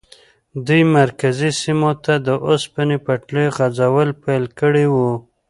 دوی مرکزي سیمو ته د اوسپنې پټلۍ غځول پیل کړي وو.